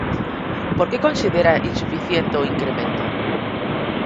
Por que considera insuficiente o incremento?